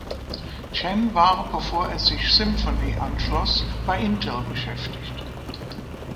Chen war, bevor er sich Symphony anschloss, bei Intel beschäftigt.